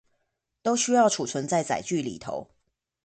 都需要儲存在載具裏頭